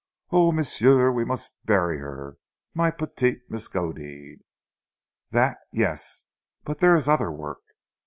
"Oui! m'sieu! We must her bury; ma petite Miskodeed." "That, yes! But there is other work."